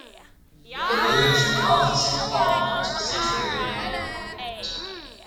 The Malaysian Houses of Parliament are situated near the monument.